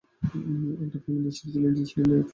একটি film industry ছিল East India Film company.